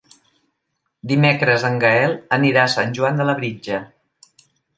Dimecres en Gaël anirà a Sant Joan de Labritja.